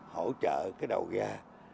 hỗ trợ đầu gà